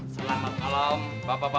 selamat malam bapak bapak